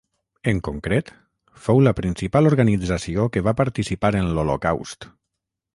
En concret, fou la principal organització que va participar en l'Holocaust.